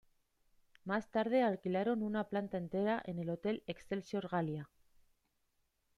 Más tarde alquilaron una planta entera en el hotel Excelsior Gallia.